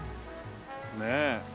ねえ。